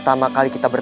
tentu saja raden